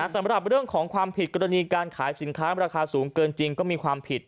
สำหรับเรื่องของความผิดกรณีการขายสินค้าราคาสูงเกินจริงก็มีความผิด